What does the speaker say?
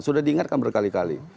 sudah diingatkan berkali kali